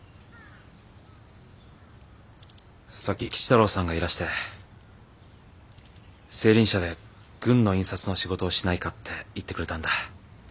さっき吉太郎さんがいらして青凜社で軍の印刷の仕事をしないかって言ってくれたんだ。